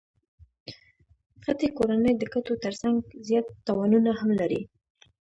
غټي کورنۍ د ګټو ترڅنګ زیات تاوانونه هم لري.